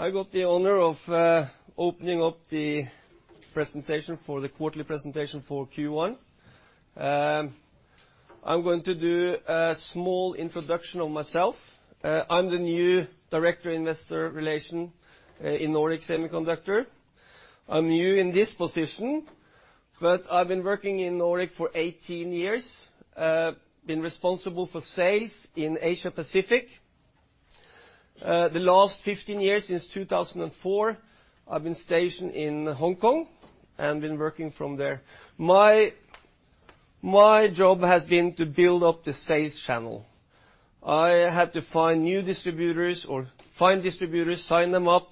I got the honor of opening up the presentation for the quarterly presentation for Q1. I'm going to do a small introduction of myself. I'm the new Director Investor Relations in Nordic Semiconductor. I'm new in this position, but I've been working in Nordic for 18 years. Been responsible for sales in Asia Pacific. The last 15 years, since 2004, I've been stationed in Hong Kong and been working from there. My job has been to build up the sales channel. I had to find new distributors or find distributors, sign them up,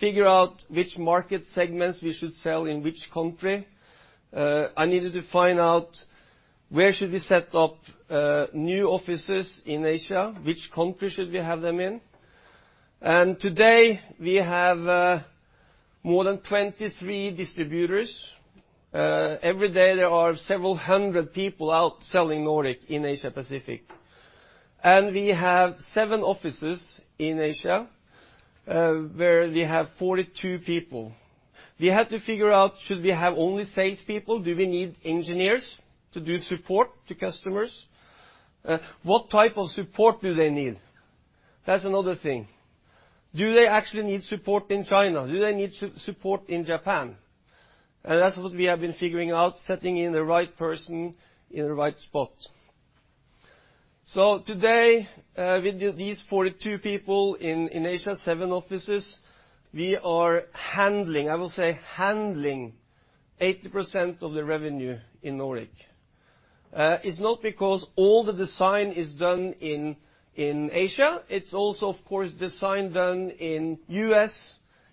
figure out which market segments we should sell in which country. I needed to find out where should we set up new offices in Asia, which country should we have them in. Today, we have more than 23 distributors. Every day there are several hundred people out selling Nordic in Asia Pacific. We have seven offices in Asia, where we have 42 people. We had to figure out, should we have only salespeople? Do we need engineers to do support to customers? What type of support do they need? That's another thing. Do they actually need support in China? Do they need support in Japan? That's what we have been figuring out, setting in the right person in the right spot. Today, with these 42 people in Asia, seven offices, we are handling, I will say, handling 80% of the revenue in Nordic. It's not because all the design is done in Asia. It's also, of course, design done in U.S.,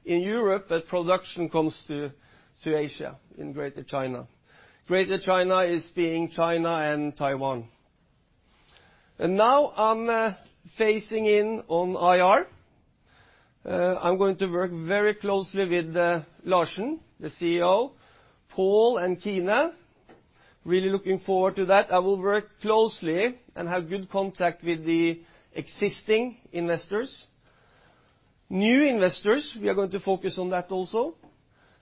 in Europe, but production comes to Asia, in Greater China. Greater China is being China and Taiwan. Now I'm facing in on IR. I'm going to work very closely with Larsen, the CEO, Pål and Tina. Really looking forward to that. I will work closely and have good contact with the existing investors. New investors, we are going to focus on that also,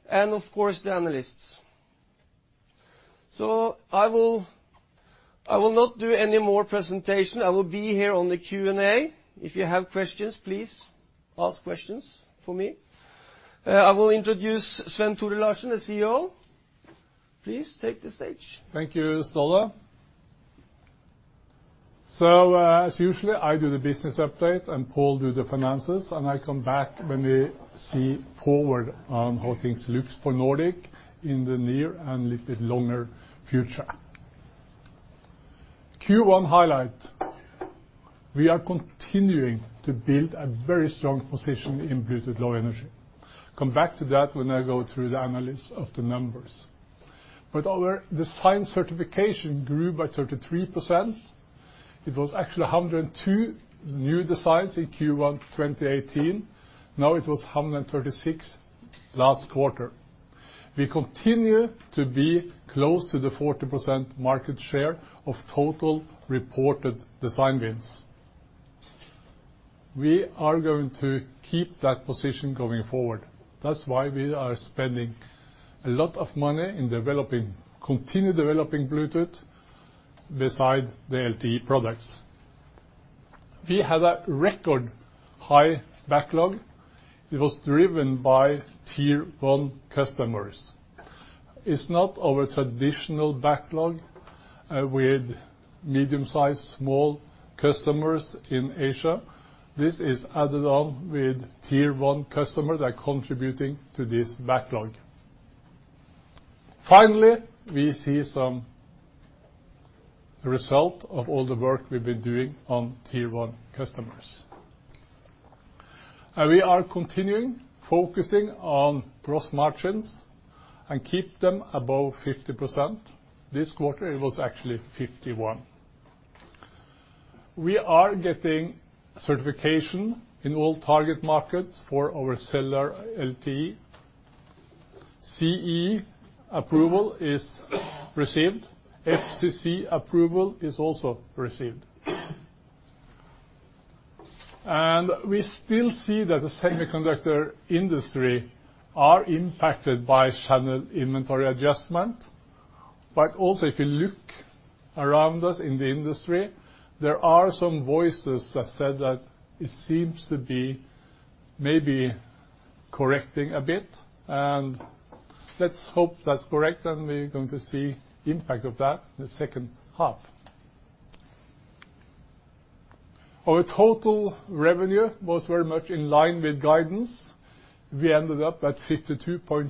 and of course, the analysts. I will not do any more presentation. I will be here on the Q&A. If you have questions, please ask questions for me. I will introduce Svenn-Tore Larsen, the CEO. Please take the stage. Thank you, Ståle. As usually, I do the business update and Pål do the finances, and I come back when we see forward on how things looks for Nordic in the near and little bit longer future. Q1 highlight. We are continuing to build a very strong position in Bluetooth Low Energy. Come back to that when I go through the analysis of the numbers. Our design certification grew by 33%. It was actually 102 new designs in Q1 2018. Now it was 136 last quarter. We continue to be close to the 40% market share of total reported design wins. We are going to keep that position going forward. That's why we are spending a lot of money in developing, continue developing Bluetooth beside the LTE products. We have a record high backlog. It was driven by tier 1 customers. It's not our traditional backlog with medium-sized small customers in Asia. This is added on with Tier 1 customers are contributing to this backlog. Finally, we see some result of all the work we've been doing on Tier 1 customers. We are continuing focusing on gross margins and keep them above 50%. This quarter it was actually 51%. We are getting certification in all target markets for our cellular LTE. CE approval is received. FCC approval is also received. We still see that the semiconductor industry are impacted by channel inventory adjustment. If you look around us in the industry, there are some voices that said that it seems to be maybe correcting a bit, and let's hope that's correct and we're going to see impact of that in the second half. Our total revenue was very much in line with guidance. We ended up at $52.6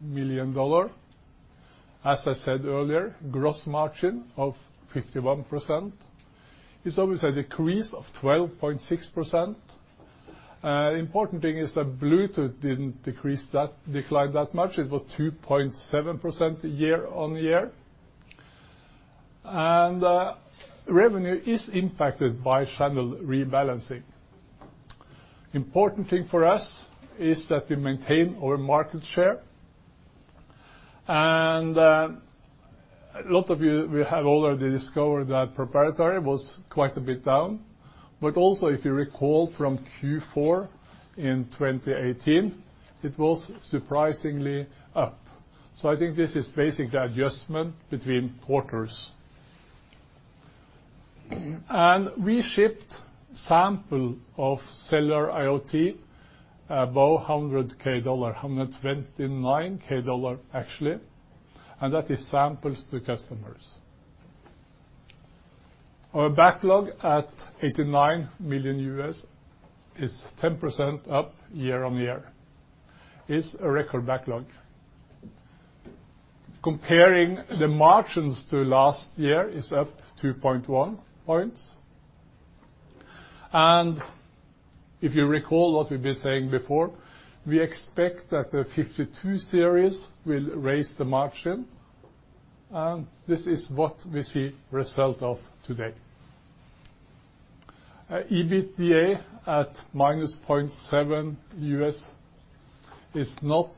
million. As I said earlier, gross margin of 51%. It's obviously a decrease of 12.6%. Important thing is that Bluetooth didn't decline that much. It was 2.7% year-on-year. Revenue is impacted by channel rebalancing. Important thing for us is that we maintain our market share. A lot of you will have already discovered that proprietary was quite a bit down. If you recall from Q4 in 2018, it was surprisingly up. I think this is basically adjustment between quarters. We shipped sample of cellular IoT, about $100K, $129K actually, and that is samples to customers. Our backlog at $89 million is 10% up year-on-year, is a record backlog. Comparing the margins to last year is up 2.1 points. If you recall what we've been saying before, we expect that the 52 series will raise the margin, and this is what we see result of today. EBITDA at -$0.7 million is not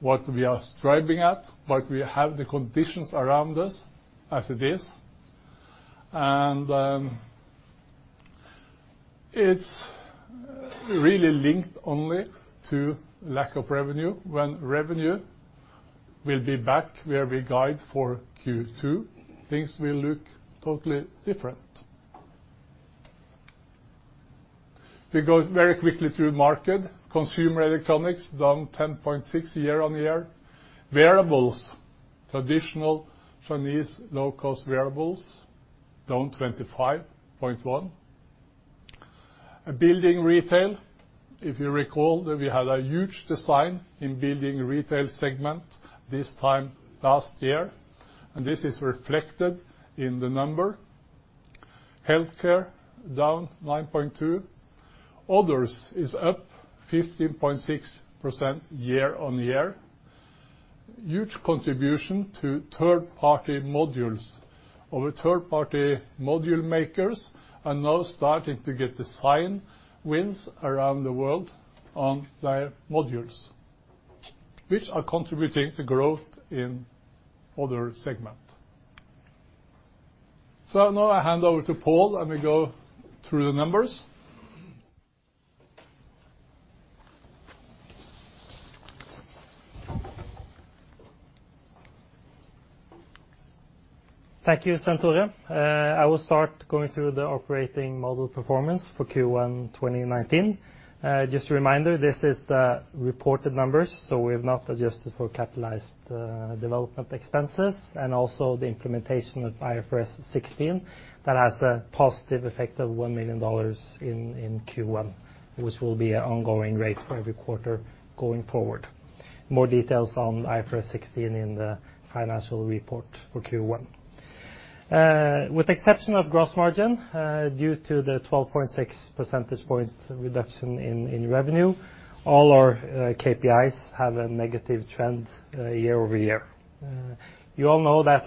what we are striving at, but we have the conditions around us as it is, and it's really linked only to lack of revenue. When revenue will be back where we guide for Q2, things will look totally different. We go very quickly through market. Consumer electronics down 10.6% year-on-year. Wearables, traditional Chinese low-cost wearables down 25.1%. Building retail, if you recall that we had a huge design in building retail segment this time last year, and this is reflected in the number. Healthcare down 9.2%. Others is up 15.6% year-on-year. Huge contribution to third-party modules. Our third-party module makers are now starting to get design wins around the world on their modules, which are contributing to growth in other segment. Now I hand over to Pål, we go through the numbers. Thank you, Svenn-Tore. I will start going through the operating model performance for Q1 2019. Just a reminder, this is the reported numbers, we have not adjusted for capitalized development expenses and also the implementation of IFRS 16 that has a positive effect of $1 million in Q1, which will be an ongoing rate for every quarter going forward. More details on IFRS 16 in the financial report for Q1. With the exception of gross margin, due to the 12.6 percentage point reduction in revenue, all our KPIs have a negative trend year-over-year. You all know that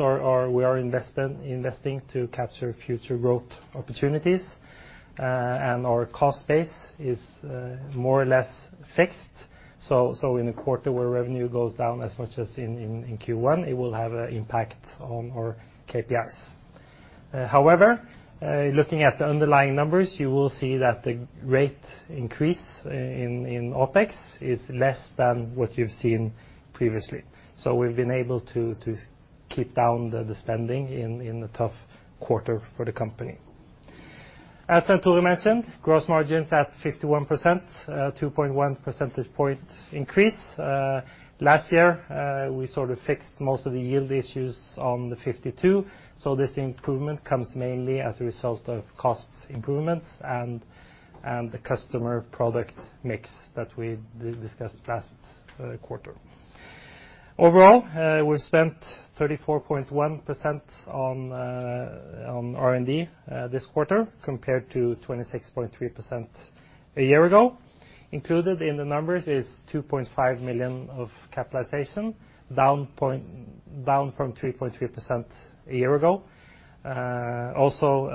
we are investing to capture future growth opportunities, and our cost base is more or less fixed. In a quarter where revenue goes down as much as in Q1, it will have an impact on our KPIs. However, looking at the underlying numbers, you will see that the rate increase in OpEx is less than what you've seen previously. We've been able to keep down the spending in the tough quarter for the company. As Svenn-Tore mentioned, gross margins at 51%, 2.1 percentage points increase. Last year, we sort of fixed most of the yield issues on the nRF52, this improvement comes mainly as a result of cost improvements and the customer product mix that we discussed last quarter. Overall, we spent 34.1% on R&D this quarter, compared to 26.3% a year ago. Included in the numbers is 2.5 million of capitalization, down from 3.3% a year ago. Also,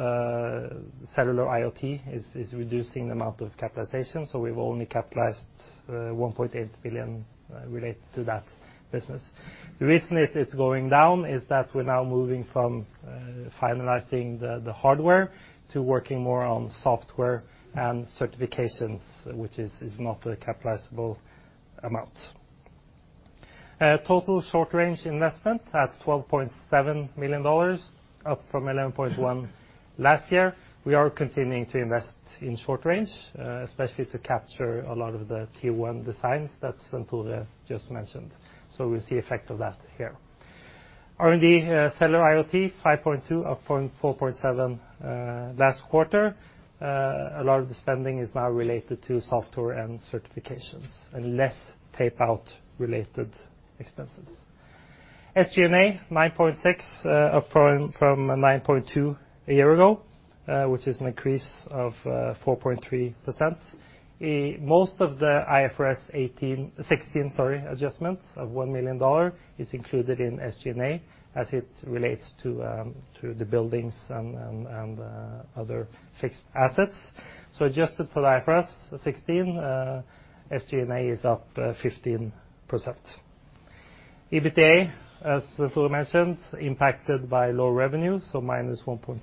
cellular IoT is reducing the amount of capitalization, we've only capitalized 1.8 million related to that business. The reason it is going down is that we're now moving from finalizing the hardware to working more on software and certifications, which is not a capitalizable amount. Total short range investment at $12.7 million, up from $11.1 million last year. We are continuing to invest in short range, especially to capture a lot of the T1 designs that Svenn-Tore just mentioned. We see effect of that here. R&D cellular IoT, 5.2 up from 4.7 last quarter. A lot of the spending is now related to software and certifications and less tape-out related expenses. SG&A 9.6 up from 9.2 a year ago, which is an increase of 4.3%. Most of the IFRS 16, sorry, adjustment of $1 million is included in SG&A as it relates to the buildings and other fixed assets. Adjusted for the IFRS 16, SG&A is up 15%. EBITDA, as Tore mentioned, impacted by low revenue, -1.4%.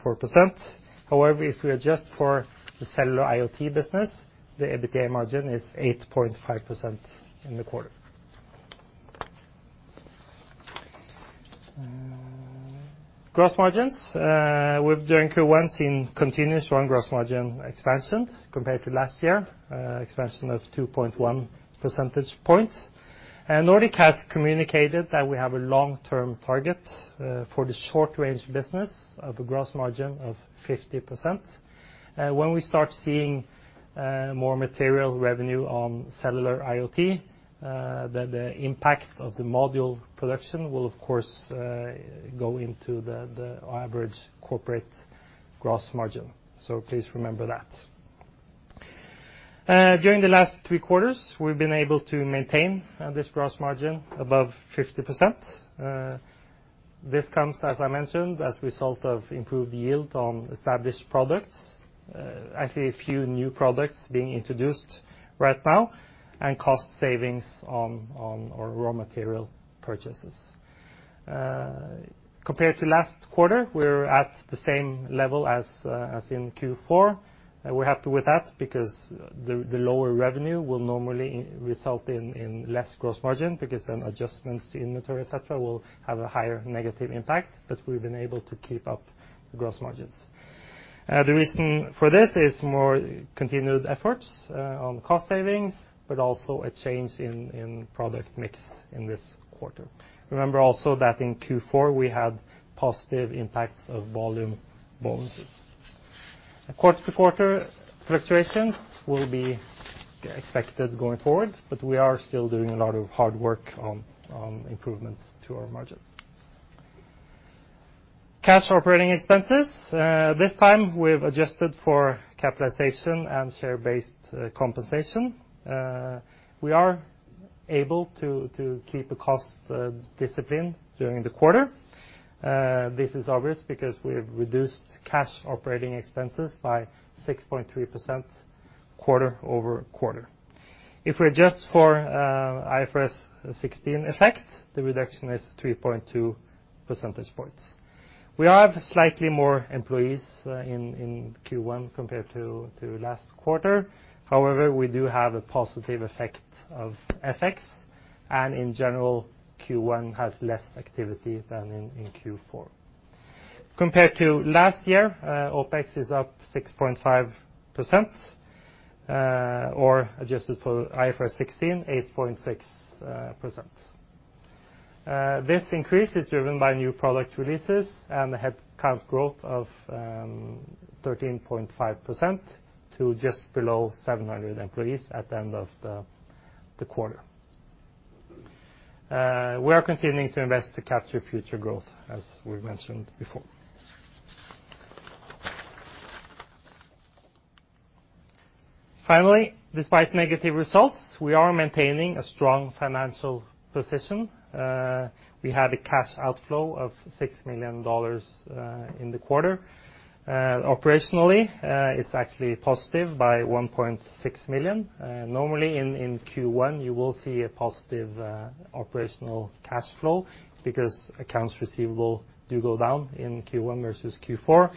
However, if we adjust for the cellular IoT business, the EBITDA margin is 8.5% in the quarter. Gross margins, we've during Q1 seen continuous strong gross margin expansion compared to last year, expansion of 2.1 percentage points. Nordic has communicated that we have a long-term target for the short-range business of a gross margin of 50%. When we start seeing more material revenue on cellular IoT, the impact of the module production will of course go into the average corporate gross margin. Please remember that. During the last three quarters, we've been able to maintain this gross margin above 50%. This comes, as I mentioned, as a result of improved yield on established products. I see a few new products being introduced right now and cost savings on our raw material purchases. Compared to last quarter, we're at the same level as in Q4. We're happy with that because the lower revenue will normally result in less gross margin because then adjustments to inventory, et cetera, will have a higher negative impact, but we've been able to keep up the gross margins. The reason for this is more continued efforts on cost savings, but also a change in product mix in this quarter. Remember also that in Q4, we had positive impacts of volume bonuses. Quarter-over-quarter fluctuations will be expected going forward, but we are still doing a lot of hard work on improvements to our margin. Cash operating expenses. This time, we've adjusted for capitalization and share-based compensation. We are able to keep a cost discipline during the quarter. This is obvious because we've reduced cash operating expenses by 6.3% quarter-over-quarter. If we adjust for IFRS 16 effect, the reduction is 3.2 percentage points. We have slightly more employees in Q1 compared to last quarter. However, we do have a positive effect of FX, and in general, Q1 has less activity than in Q4. Compared to last year, OpEx is up 6.5%, or adjusted for IFRS 16, 8.6%. This increase is driven by new product releases and a headcount growth of 13.5% to just below 700 employees at the end of the quarter. We are continuing to invest to capture future growth, as we mentioned before. Finally, despite negative results, we are maintaining a strong financial position. We had a cash outflow of $6 million in the quarter. Operationally, it's actually positive by $1.6 million. Normally in Q1, you will see a positive operational cash flow because accounts receivable do go down in Q1 versus Q4,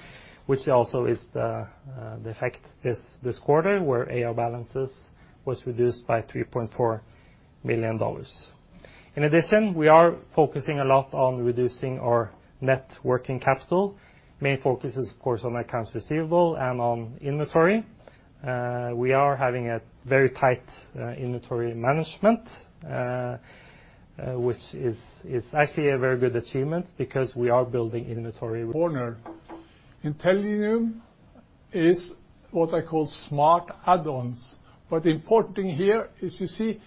which also is the effect this quarter, where AR balances was reduced by $3.4 million. In addition, we are focusing a lot on reducing our net working capital. Main focus is, of course, on accounts receivable and on inventory. We are having a very tight inventory management, which is actually a very good achievement because we are building inventory- Corner. Intellium is what I call smart add-ons, but important thing here is you see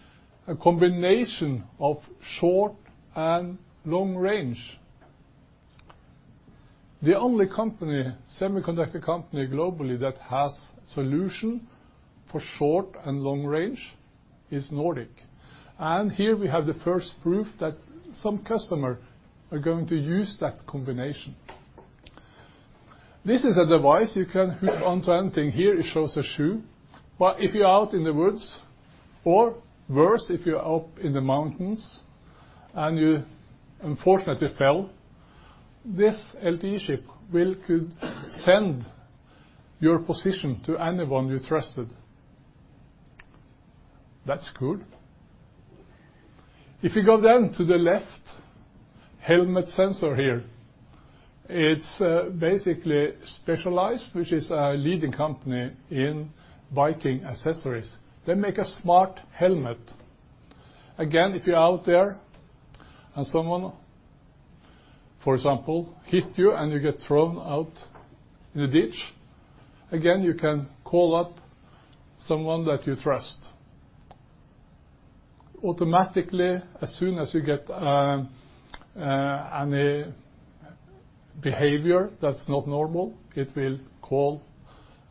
a combination of short and long range. The only semiconductor company globally that has solution for short and long range is Nordic. Here we have the first proof that some customer are going to use that combination. This is a device you can hook onto anything. Here it shows a shoe. If you're out in the woods or, worse, if you're up in the mountains and you unfortunately fell, this LTE chip will send your position to anyone you trusted. That's good. If you go then to the left helmet sensor here, it's basically Specialized, which is a leading company in biking accessories. They make a smart helmet. If you're out there and someone, for example, hit you and you get thrown out in a ditch, you can call up someone that you trust. Automatically, as soon as you get any behavior that's not normal, it will call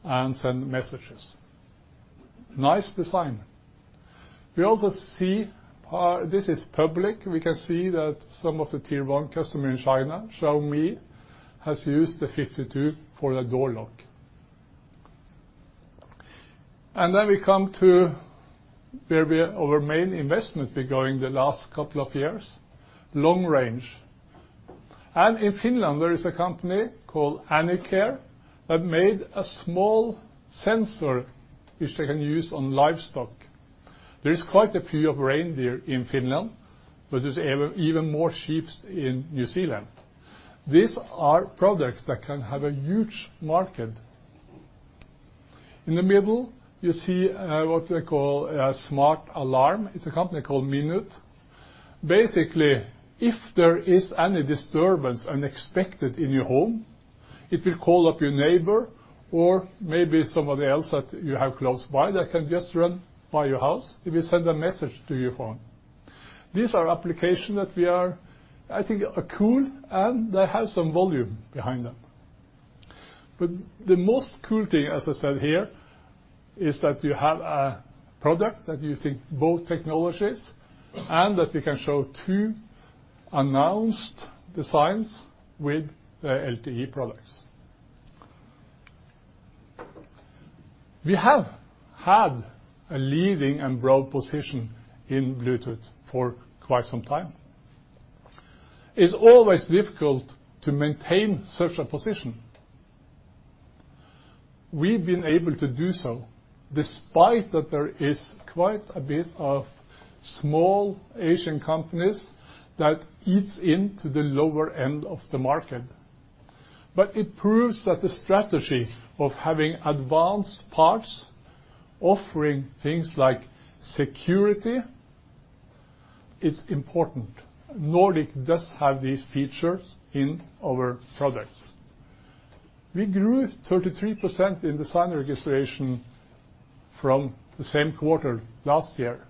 and send messages. Nice design. We also see this is public. We can see that some of the tier 1 customer in China, Xiaomi, has used the 52 for the door lock. Then we come to where our main investment be going the last couple of years, long range. In Finland, there is a company called Anicare that made a small sensor, which they can use on livestock. There is quite a few of reindeer in Finland, but there's even more sheep in New Zealand. These are products that can have a huge market. In the middle, you see what they call a smart alarm. It's a company called Minut. Basically, if there is any disturbance unexpected in your home, it will call up your neighbor or maybe somebody else that you have close by that can just run by your house. It will send a message to your phone. These are application that we are, I think, are cool, and they have some volume behind them. The most cool thing, as I said here, is that you have a product that using both technologies and that we can show two announced designs with the LTE products. We have had a leading and broad position in Bluetooth for quite some time. It's always difficult to maintain such a position. We've been able to do so despite that there is quite a bit of small Asian companies that eats into the lower end of the market. It proves that the strategy of having advanced parts, offering things like security, is important. Nordic does have these features in our products. We grew 33% in design registration from the same quarter last year.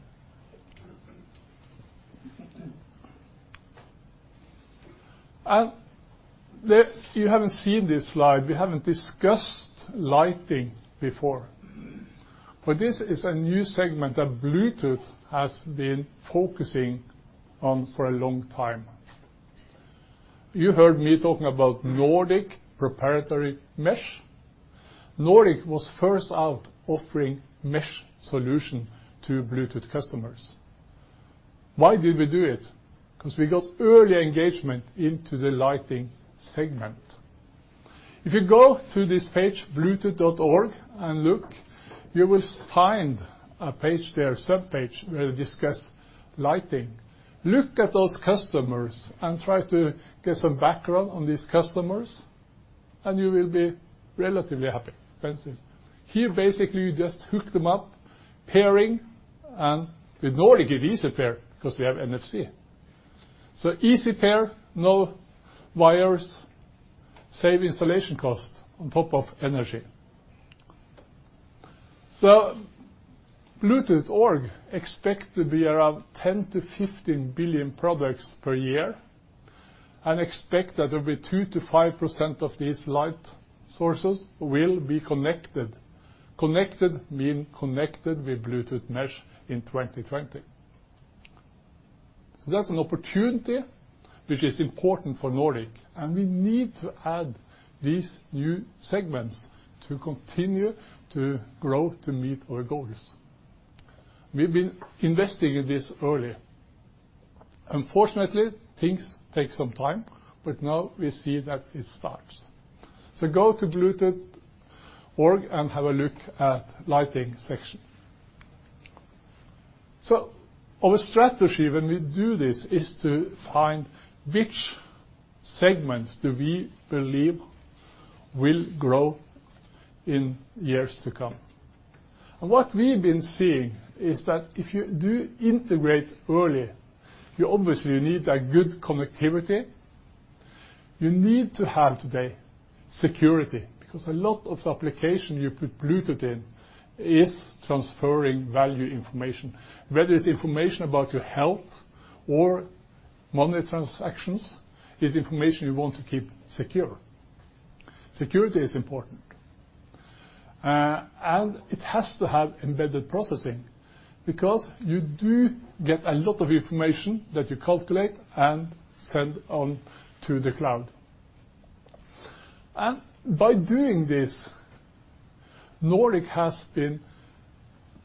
You haven't seen this slide. We haven't discussed lighting before. This is a new segment that Bluetooth has been focusing on for a long time. You heard me talking about Nordic proprietary mesh. Nordic was first out offering mesh solution to Bluetooth customers. Why did we do it? We got early engagement into the lighting segment. If you go to this page, bluetooth.org and look, you will find a page there, subpage, where it discuss lighting. Look at those customers and try to get some background on these customers and you will be relatively happy. See, here, basically, you just hook them up, pairing, and with Nordic, it's easy pair because we have NFC. Easy pair, no wires, save installation cost on top of energy. bluetooth.org expect to be around 10 billion-15 billion products per year and expect that there'll be 2%-5% of these light sources will be connected. Connected means connected with Bluetooth mesh in 2020. That's an opportunity which is important for Nordic, and we need to add these new segments to continue to grow to meet our goals. We've been investing in this early. Unfortunately, things take some time, now we see that it starts. Go to bluetooth.org and have a look at lighting section. Our strategy when we do this is to find which segments do we believe will grow in years to come. What we've been seeing is that if you do integrate early, you obviously need a good connectivity. You need to have today security, because a lot of application you put Bluetooth in is transferring value information. Whether it's information about your health or money transactions, it's information you want to keep secure. Security is important. It has to have embedded processing because you do get a lot of information that you calculate and send on to the cloud. By doing this, Nordic has been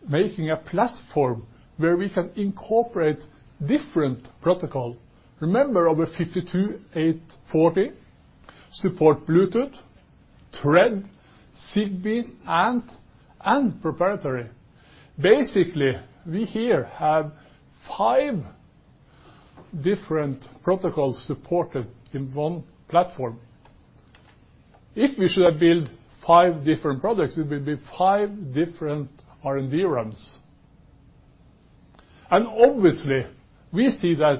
making a platform where we can incorporate different protocol. Remember our nRF52840 support Bluetooth, Thread, Zigbee, ANT, and proprietary. We here have five different protocols supported in one platform. If we should have built five different products, it would be five different R&D ramps. Obviously, we see that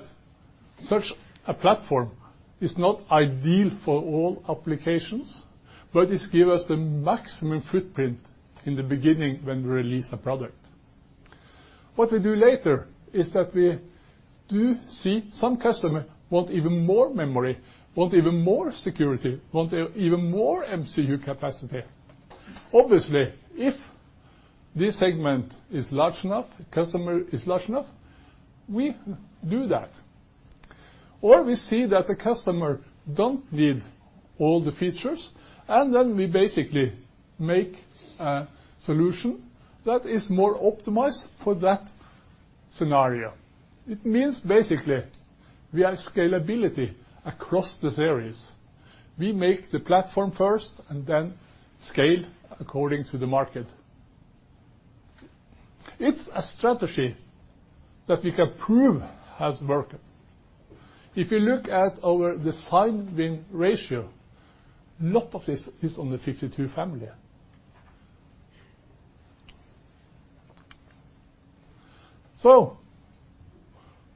such a platform is not ideal for all applications, but this give us the maximum footprint in the beginning when we release a product. What we do later is that we do see some customer want even more memory, want even more security, want even more MCU capacity. Obviously, if this segment is large enough, customer is large enough, we do that. We see that the customer don't need all the features, and then we make a solution that is more optimized for that scenario. It means, we have scalability across the series. We make the platform first and then scale according to the market. It's a strategy that we can prove has worked. If you look at our design win ratio, lot of this is on the 52 family.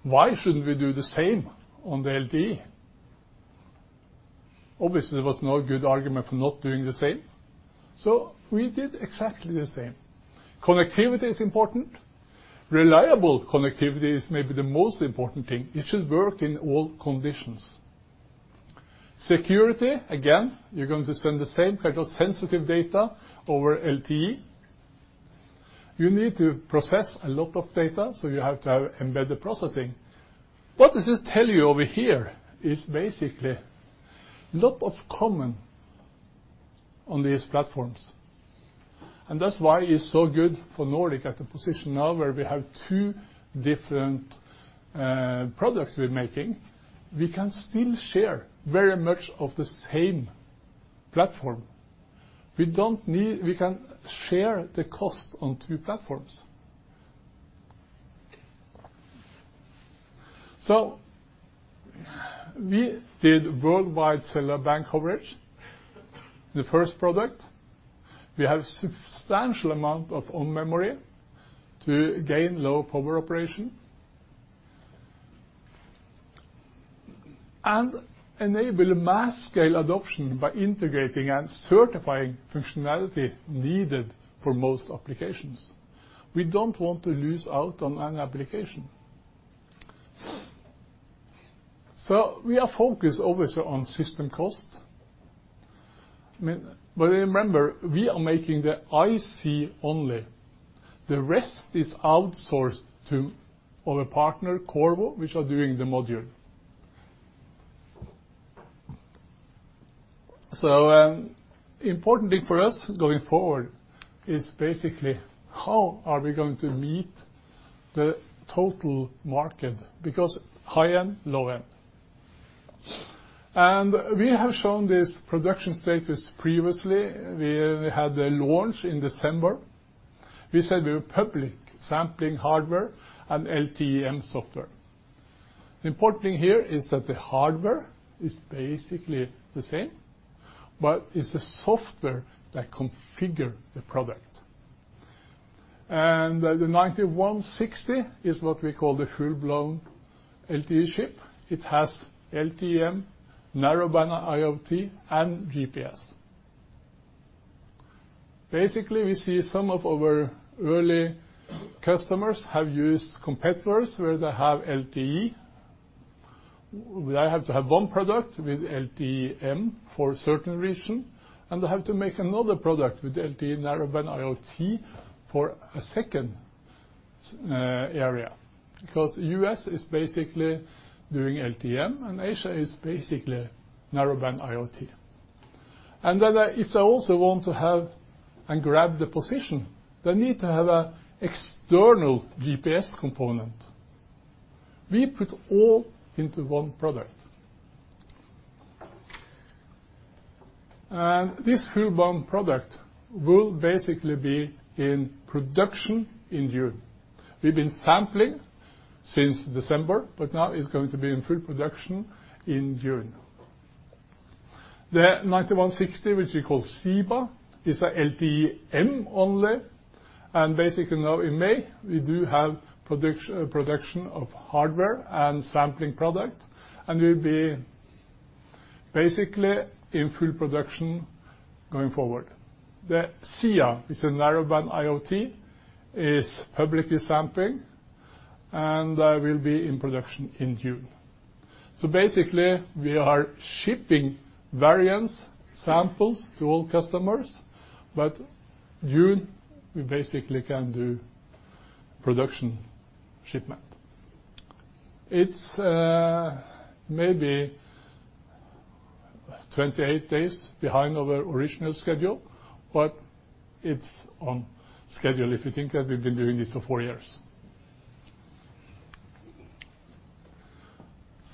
Why shouldn't we do the same on the LTE? Obviously, there was no good argument for not doing the same, we did exactly the same. Connectivity is important. Reliable connectivity is maybe the most important thing. It should work in all conditions. Security, again, you're going to send the same kind of sensitive data over LTE. You need to process a lot of data, so you have to have embedded processing. What this is telling you over here is lot of common on these platforms, and that's why it's so good for Nordic at the position now where we have two different products we're making. We can still share very much of the same platform. We can share the cost on two platforms. We did worldwide cellular band coverage. The first product, we have substantial amount of own memory to gain low power operation and enable a mass scale adoption by integrating and certifying functionality needed for most applications. We don't want to lose out on an application. We are focused obviously on system cost, but remember, we are making the IC only. The rest is outsourced to our partner, Qorvo, which are doing the module. Importantly for us going forward, is how are we going to meet the total market because high-end, low-end. We have shown this production status previously. We had the launch in December. We said we were public sampling hardware and LTE-M software. The important thing here is that the hardware is the same, but it's the software that configure the product. The nRF9160 is what we call the full-blown LTE chip. It has LTE-M, Narrowband IoT, and GPS. We see some of our early customers have used competitors where they have LTE, where I have to have one product with LTE-M for a certain region, and I have to make another product with LTE Narrowband IoT for a second area. U.S. is basically doing LTE-M and Asia is basically Narrowband IoT. If they also want to have and grab the position, they need to have an external GPS component. We put all into one product. This full-blown product will basically be in production in June. We've been sampling since December, but now it's going to be in full production in June. The 9160, which we call SIBA, is a LTE-M only, and basically now in May, we do have production of hardware and sampling product, and we'll be basically in full production going forward. The SIA is a Narrowband IoT, is publicly sampling and will be in production in June. We are shipping variants, samples to all customers, but June, we basically can do production shipment. It's maybe 28 days behind our original schedule, but it's on schedule if you think that we've been doing it for four years.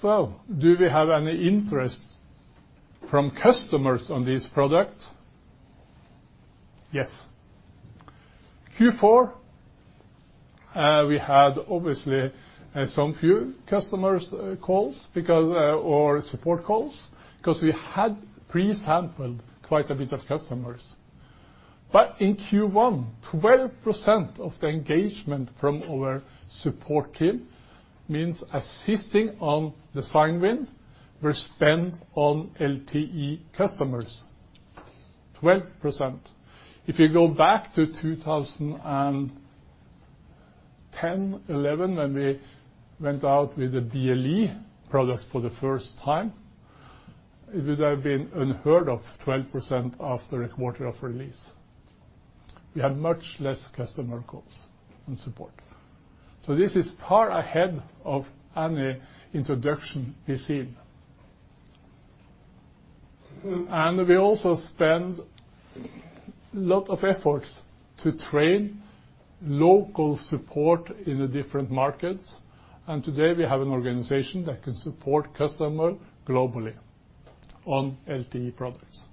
Do we have any interest from customers on this product? Yes. Q4, we had obviously some few customers calls or support calls because we had pre-sampled quite a bit of customers. In Q1, 12% of the engagement from our support team means assisting on design wins were spent on LTE customers, 12%. If you go back to 2010, 2011, when we went out with the BLE product for the first time, it would have been unheard of 12% after a quarter of release. We have much less customer calls and support. This is far ahead of any introduction we've seen. We also spend a lot of efforts to train local support in the different markets, and today we have an organization that can support customer globally on LTE products.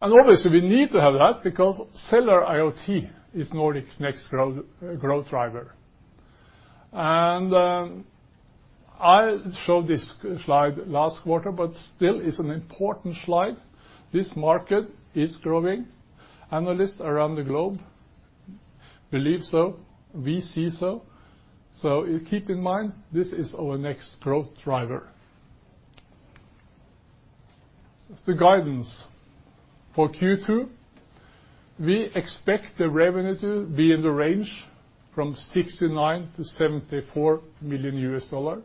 Obviously, we need to have that because cellular IoT is Nordic's next growth driver. I showed this slide last quarter but still is an important slide. This market is growing. Analysts around the globe believe so. We see so. Keep in mind, this is our next growth driver. The guidance. For Q2, we expect the revenue to be in the range from $69 million-$74 million.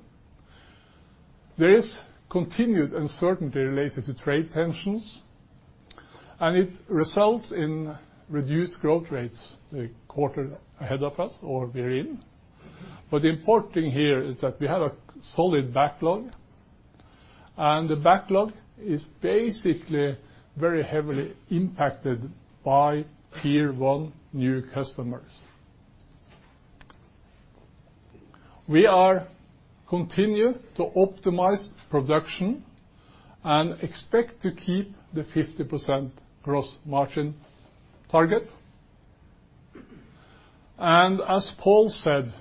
There is continued uncertainty related to trade tensions, it results in reduced growth rates the quarter ahead of us or we're in. The important thing here is that we have a solid backlog, and the backlog is basically very heavily impacted by tier 1 new customers. We are continue to optimize production and expect to keep the 50% gross margin target. As Pål said,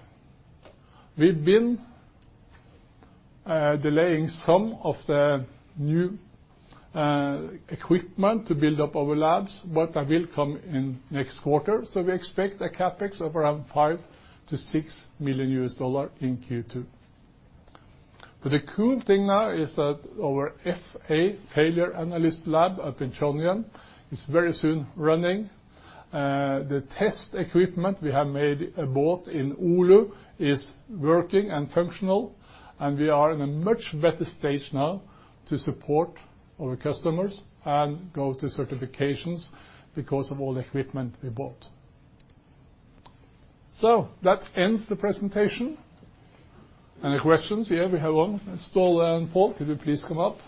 we've been delaying some of the new equipment to build up our labs, but that will come in next quarter. We expect a CapEx of around $5 million-$6 million in Q2. The cool thing now is that our FA, failure analyst lab up in Trondheim is very soon running. The test equipment we have bought in Oulu is working and functional. We are in a much better stage now to support our customers and go to certifications because of all the equipment we bought. That ends the presentation. Any questions? Yeah, we have one. Ståle and Pål, could you please come up?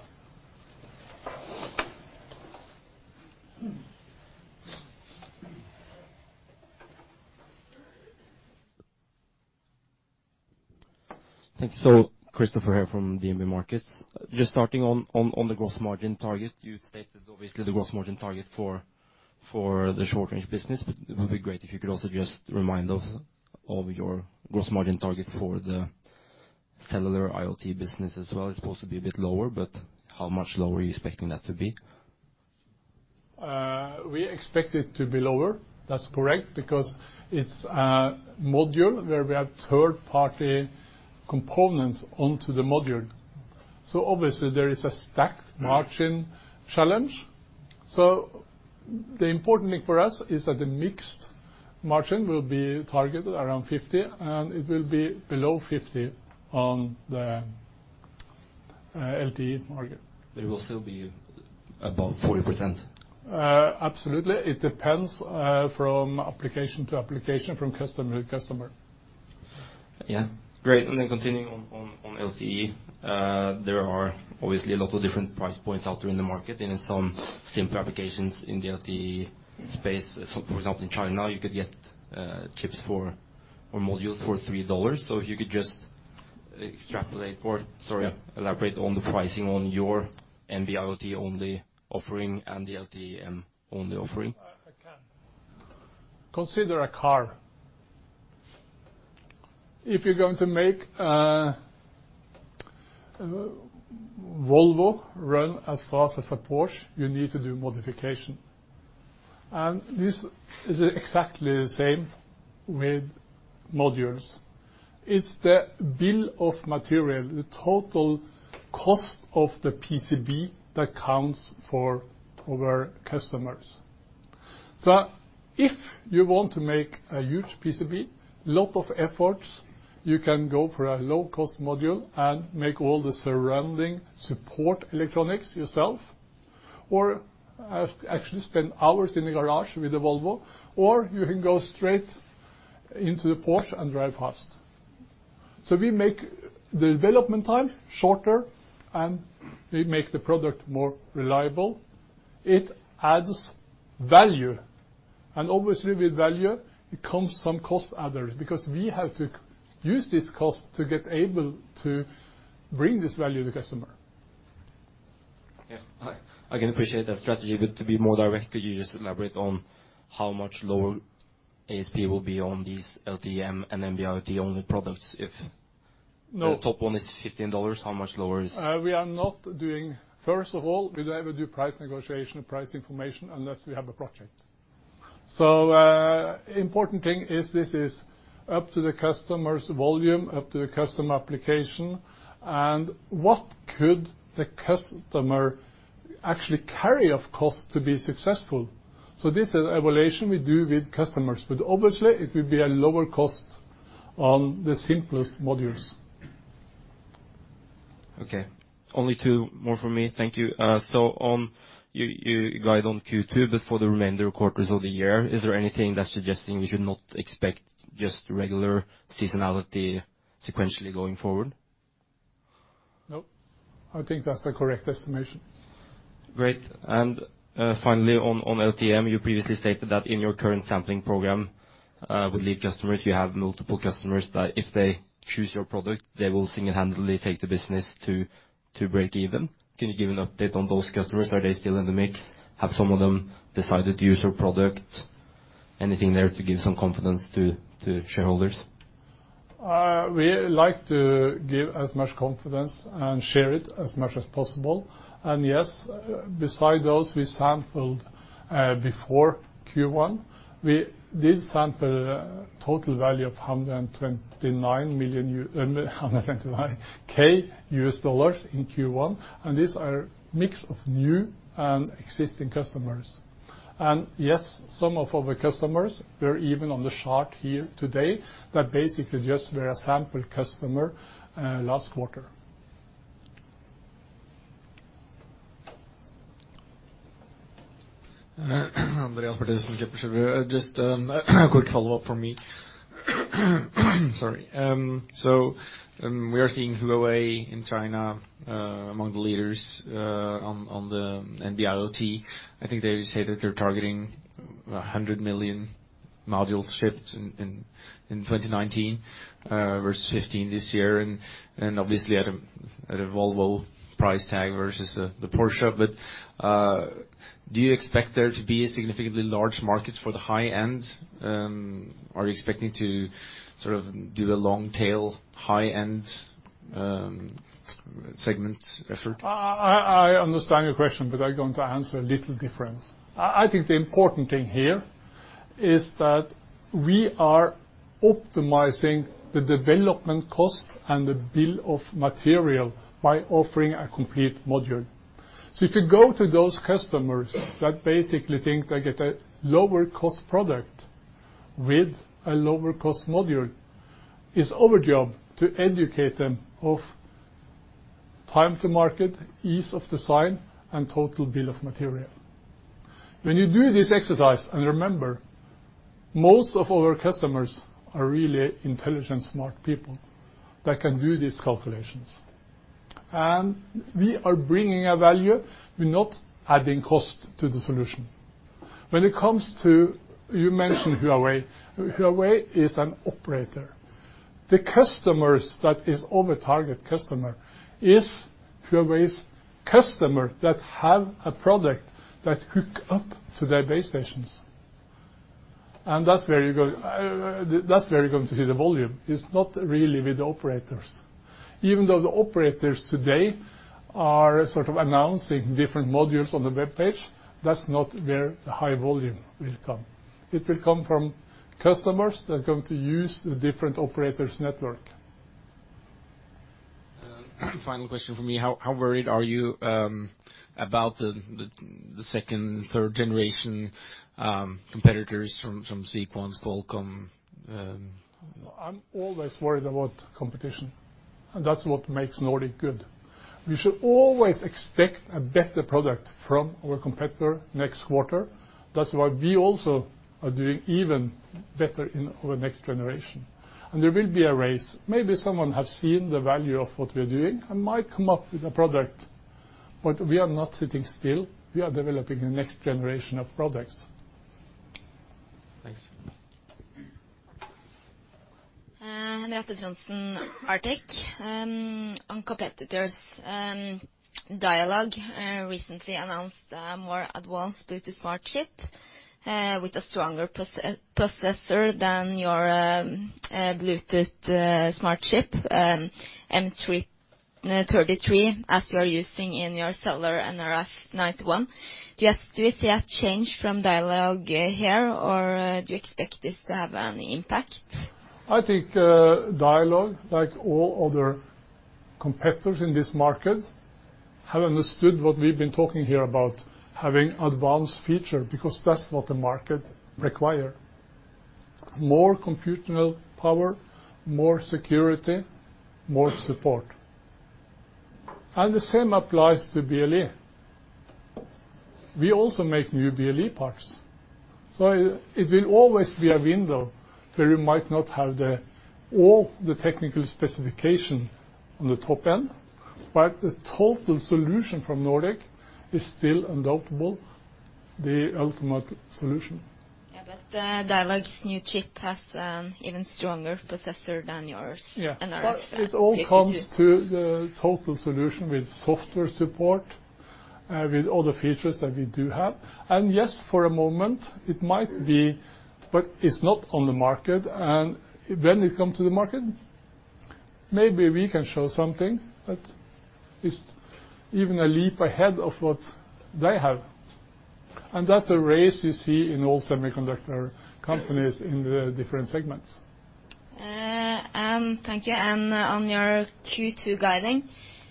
Thanks. Christoffer here from DNB Markets. Just starting on the gross margin target, you stated obviously the gross margin target for the short-range business. It would be great if you could also just remind us of your gross margin target for the cellular IoT business as well. It's supposed to be a bit lower, how much lower are you expecting that to be? We expect it to be lower, that's correct, because it's a module where we have third-party components onto the module. Obviously there is a stacked margin challenge. The important thing for us is that the mixed margin will be targeted around 50%, and it will be below 50% on the LTE market. It will still be above 40%? Absolutely. It depends from application to application, from customer to customer. Great. Continuing on LTE, there are obviously a lot of different price points out there in the market and in some simple applications in the LTE space. For example, in China, you could get chips for or modules for NOK 3. If you could just elaborate on the pricing on your NB-IoT-only offering and the LTE-M-only offering. I can. Consider a car. If you're going to make a Volvo run as fast as a Porsche, you need to do modification. This is exactly the same with modules. It's the bill of material, the total cost of the PCB that counts for our customers. If you want to make a huge PCB, lot of efforts, you can go for a low-cost module and make all the surrounding support electronics yourself, or actually spend hours in the garage with the Volvo, or you can go straight into the Porsche and drive fast. We make the development time shorter, and we make the product more reliable. It adds value. Obviously with value comes some cost adders, because we have to use this cost to get able to bring this value to customer. I can appreciate that strategy. To be more direct, could you just elaborate on how much lower ASP will be on these LTE-M and NB-IoT-only products if- No the top one is NOK 15, how much lower is- First of all, we never do price negotiation or price information unless we have a project. Important thing is this is up to the customer's volume, up to the customer application, and what could the customer actually carry of cost to be successful. This is evaluation we do with customers. Obviously it will be a lower cost on the simplest modules Okay. Only two more from me. Thank you. You guide on Q2, but for the remainder quarters of the year, is there anything that's suggesting we should not expect just regular seasonality sequentially going forward? No, I think that's the correct estimation. Finally, on LTE-M, you previously stated that in your current sampling program with lead customers, you have multiple customers that if they choose your product, they will single-handedly take the business to break even. Can you give an update on those customers? Are they still in the mix? Have some of them decided to use your product? Anything there to give some confidence to shareholders? We like to give as much confidence and share it as much as possible. Yes, besides those we sampled before Q1, we did sample a total value of $129,000 in Q1, and these are mix of new and existing customers. Yes, some of our customers were even on the chart here today that basically just were a sample customer last quarter. Andreas, Sorry. We are seeing Huawei in China among the leaders on the NB-IoT. I think they say that they're targeting 100 million modules shipped in 2019 versus 15 this year, and obviously at a Volvo price tag versus the Porsche. Do you expect there to be a significantly large market for the high end? Are you expecting to sort of do the long-tail, high-end segment effort? I understand your question, but I'm going to answer a little different. I think the important thing here is that we are optimizing the development cost and the bill of material by offering a complete module. If you go to those customers that basically think they get a lower cost product with a lower cost module, it's our job to educate them of time to market, ease of design, and total bill of material. When you do this exercise, and remember, most of our customers are really intelligent, smart people that can do these calculations. We are bringing a value, we're not adding cost to the solution. When it comes to, you mentioned Huawei. Huawei is an operator. The customers that is our target customer is Huawei's customer that have a product that hook up to their base stations. That's where you're going to see the volume. It's not really with the operators. Even though the operators today are sort of announcing different modules on the webpage, that's not where the high volume will come. It will come from customers that are going to use the different operators network. Final question from me. How worried are you about the second, third generation competitors from Sequans, Qualcomm? I'm always worried about competition, and that's what makes Nordic good. We should always expect a better product from our competitor next quarter. That's why we also are doing even better in our next generation. There will be a race. Maybe someone have seen the value of what we're doing and might come up with a product. We are not sitting still. We are developing the next generation of products. Thanks. Henriette Trondsen, Arctic. On competitors, Dialog recently announced a more advanced Bluetooth Smart chip with a stronger processor than your Bluetooth Smart chip, M33, as you are using in your cellular nRF91. Do you see a change from Dialog here, or do you expect this to have an impact? I think Dialog, like all other competitors in this market, have understood what we've been talking here about having advanced feature because that's what the market require. More computational power, more security, more support. The same applies to BLE. We also make new BLE parts. It will always be a window where you might not have all the technical specification on the top end, but the total solution from Nordic is still undoubtable the ultimate solution. Yeah, Dialog's new chip has an even stronger processor than yours. Yeah and It all comes to the total solution with software support, with all the features that we do have. Yes, for a moment it might be, but it's not on the market. When it come to the market, maybe we can show something that is even a leap ahead of what they have. That's a race you see in all semiconductor companies in the different segments. Thank you. On your Q2 guiding,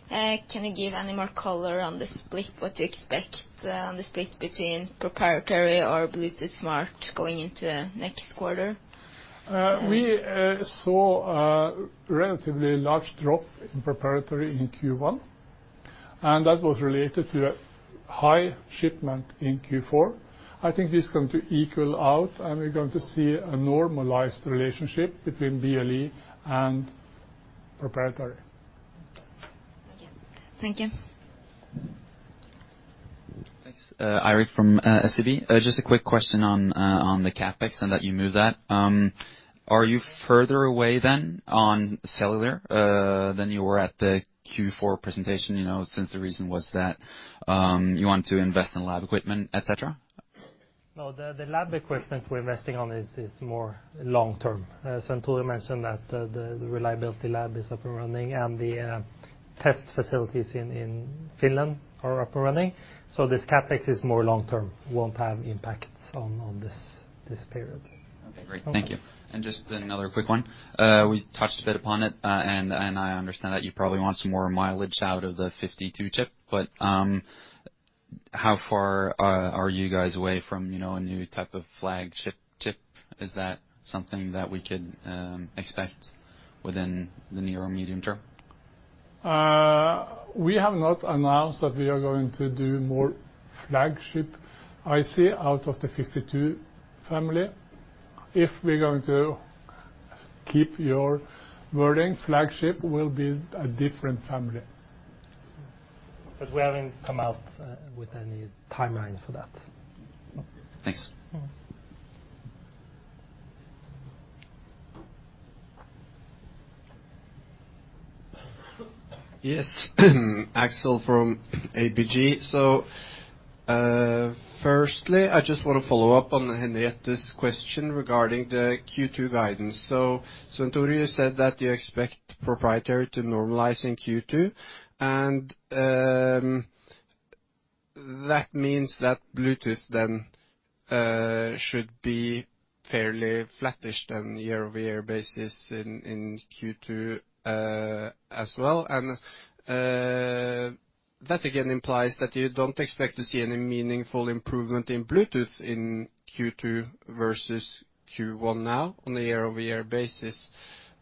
can you give any more color on the split, what you expect on the split between proprietary or Bluetooth Smart going into next quarter? We saw a relatively large drop in proprietary in Q1. That was related to a high shipment in Q4. I think this is going to equal out, and we're going to see a normalized relationship between BLE and proprietary. Thank you. Thanks. Eirik from SEB. Just a quick question on the CapEx and that you moved that. Are you further away then on cellular, than you were at the Q4 presentation, since the reason was that you want to invest in lab equipment, et cetera? No, the lab equipment we're investing on is more long-term. Svenn-Tore mentioned that the reliability lab is up and running, and the test facilities in Finland are up and running. This CapEx is more long-term, won't have impacts on this period. Okay, great. Thank you. Just another quick one. We touched a bit upon it, and I understand that you probably want some more mileage out of the nRF52 chip, but how far are you guys away from a new type of flagship chip? Is that something that we could expect within the near or medium term? We have not announced that we are going to do more flagship IC out of the nRF52 family. If we're going to keep your wording, flagship will be a different family. We haven't come out with any timelines for that. Thanks. Yes. Axel from ABG. Firstly, I just want to follow up on Henriette's question regarding the Q2 guidance. Svenn-Tore, you said that you expect proprietary to normalize in Q2, and that means that Bluetooth then should be fairly flattish than year-over-year basis in Q2 as well. That again implies that you don't expect to see any meaningful improvement in Bluetooth in Q2 versus Q1 now on a year-over-year basis.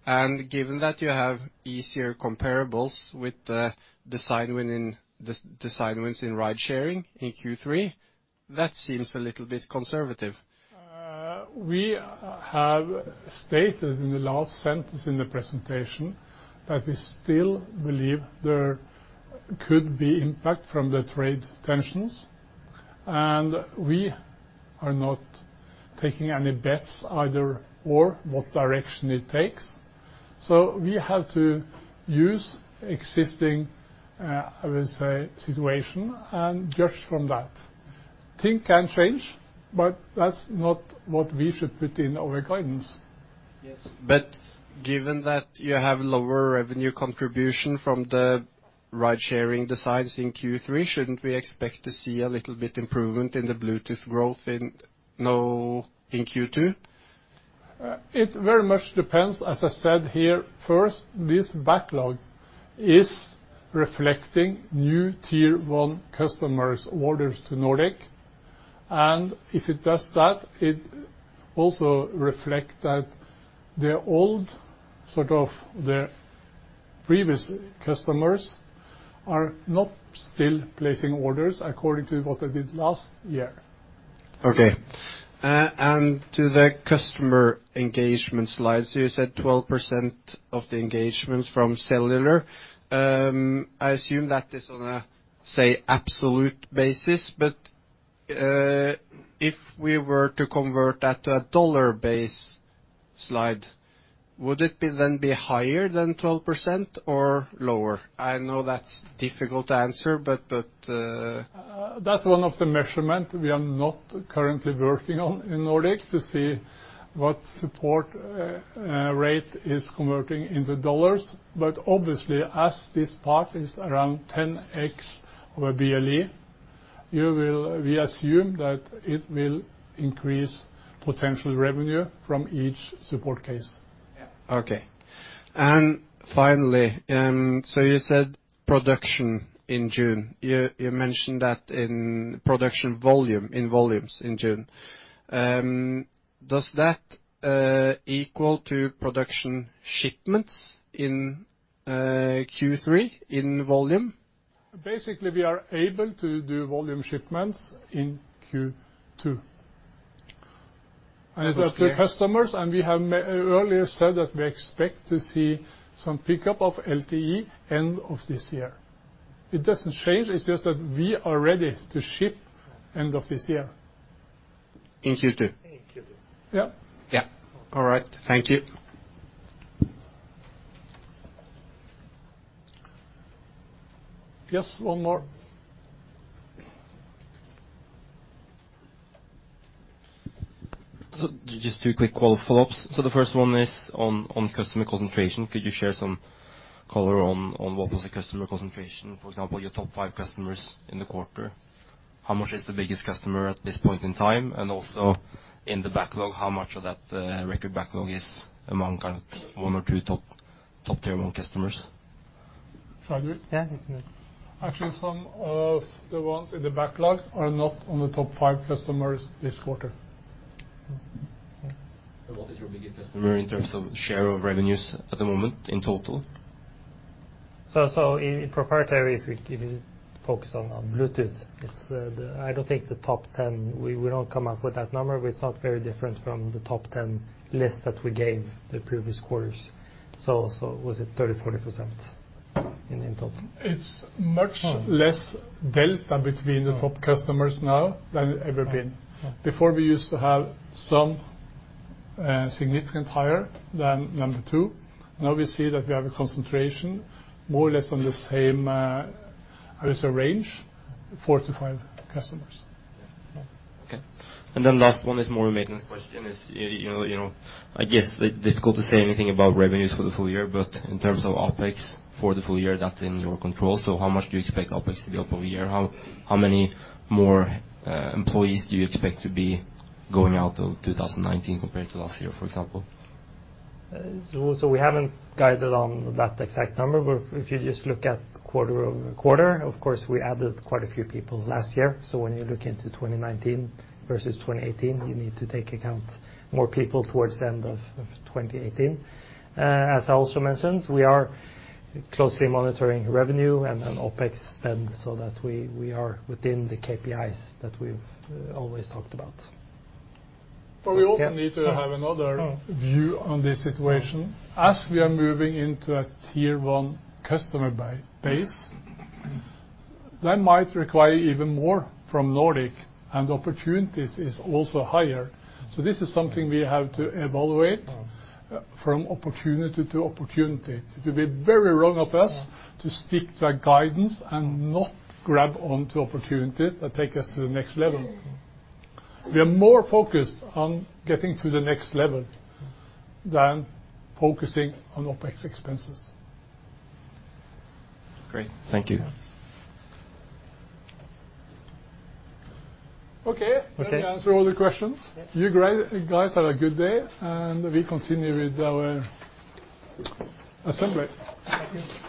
Given that you have easier comparables with the design wins in ride sharing in Q3, that seems a little bit conservative. We have stated in the last sentence in the presentation that we still believe there could be impact from the trade tensions. We are not taking any bets either or what direction it takes. We have to use existing, I would say, situation and judge from that. Things can change, that's not what we should put in our guidance. Yes. Given that you have lower revenue contribution from the ride sharing designs in Q3, shouldn't we expect to see a little bit improvement in the Bluetooth growth in Q2? It very much depends. As I said here, first, this backlog is reflecting new tier one customers' orders to Nordic. If it does that, it also reflect that the old, sort of the previous customers are not still placing orders according to what they did last year. Okay. To the customer engagement slides, you said 12% of the engagements from cellular. I assume that is on a, say, absolute basis. If we were to convert that to a dollar base slide, would it then be higher than 12% or lower? I know that's difficult to answer. That's one of the measurements we are not currently working on in Nordic to see what support rate is converting into dollars. Obviously as this part is around 10x over BLE, we assume that it will increase potential revenue from each support case. Yeah. Okay. Finally, you said production in June. You mentioned that in production volume, in volumes in June. Does that equal to production shipments in Q3 in volume? Basically, we are able to do volume shipments in Q2. Q2. As after customers, we have earlier said that we expect to see some pickup of LTE end of this year. It doesn't change, it's just that we are ready to ship end of this year. In Q2. In Q2. Yep. Yeah. All right. Thank you. Yes, one more. Just two quick follow-ups. The first one is on customer concentration. Could you share some color on what was the customer concentration, for example, your top five customers in the quarter? How much is the biggest customer at this point in time, and also in the backlog, how much of that record backlog is among kind of one or two top tier one customers? Shall I do it? Yeah. Actually some of the ones in the backlog are not on the top five customers this quarter. What is your biggest customer in terms of share of revenues at the moment in total? In proprietary, if you focus on Bluetooth, I don't think the top 10. We don't come up with that number, but it's not very different from the top 10 list that we gave the previous quarters. Was it 30%-40% in total? It's much less delta between the top customers now than it ever been. Before we used to have some significant higher than number two. Now we see that we have a concentration more or less on the same, I would say, range, four to five customers. Last one is more of a maintenance question is, I guess it's difficult to say anything about revenues for the full year, but in terms of OpEx for the full year, that's in your control. How much do you expect OpEx to be up over year? How many more employees do you expect to be going out of 2019 compared to last year, for example? We haven't guided on that exact number. If you just look at quarter-over-quarter, of course, we added quite a few people last year. When you look into 2019 versus 2018, you need to take account more people towards the end of 2018. As I also mentioned, we are closely monitoring revenue and OpEx spend so that we are within the KPIs that we've always talked about. We also need to have another view on this situation. We are moving into a tier 1 customer base, that might require even more from Nordic, and opportunities is also higher. This is something we have to evaluate from opportunity to opportunity. It would be very wrong of us to stick to a guidance and not grab onto opportunities that take us to the next level. We are more focused on getting to the next level than focusing on OpEx expenses. Great. Thank you. Okay. Okay. Have we answered all the questions? Yes. You guys have a good day. We continue with our assembly. Thank you.